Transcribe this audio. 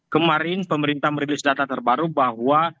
kemarin pemerintah merilis data terbaru bahwa